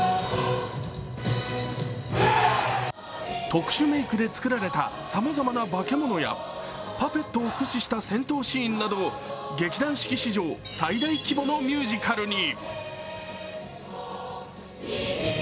特殊メイクで作られたさまざまなバケモノやパペットを駆使した戦闘シーンなど劇団四季史上最大規模のミュージカルに。